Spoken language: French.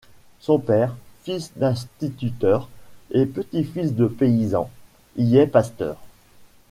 Son père, fils d’instituteur et petit-fils de paysan, y est pasteur.